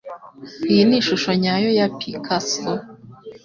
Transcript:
Iyi ni ishusho nyayo ya Picasso.